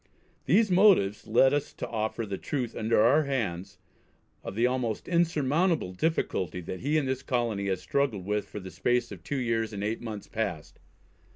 These motives led us to offer the truth under our hands, of the almost insurmountable difficulty, that he and this colony has struggled with for the space of two years and eight months past."